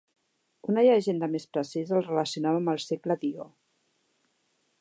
Una llegenda més precisa el relacionava amb el cicle d'Ió.